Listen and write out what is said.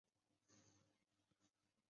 久米郡是位于冈山县中部的一郡。